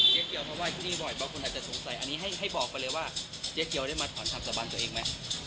เจ๊เกียวมาไห้ที่นี่บ่อยบางคนอาจจะสงสัยอันนี้ให้บอกไปเลยว่าเจ๊เกียวได้มาถอนคำสาบานตัวเองไหม